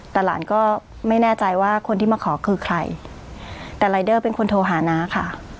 แต่หลานก็ไม่แน่ใจว่าคนที่มาขอคือใครแต่รายเดอร์เป็นคนโทรหาน้าค่ะ